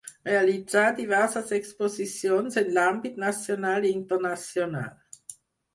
Realitzà diverses exposicions en l’àmbit nacional i internacional.